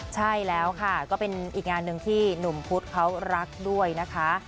ใช่แล้วค่ะก็เป็นอีกงานหนึ่งที่หนุ่มพุธเขารักด้วยนะคะ